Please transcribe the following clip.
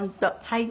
はい。